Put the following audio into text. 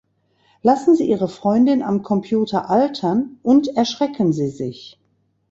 Lassen Sie Ihre Freundin am Computer altern und erschrecken Sie sich!